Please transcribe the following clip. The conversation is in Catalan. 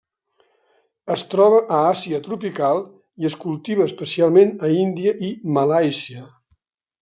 Es troba a Àsia tropical i es cultiva especialment a Índia i Malàisia.